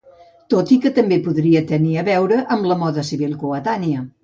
Tot i que també podria tenir a veure amb la moda civil coetània.